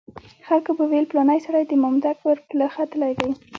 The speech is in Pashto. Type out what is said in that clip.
خلکو به ویل پلانی سړی د مامدک پر پله ختلی دی.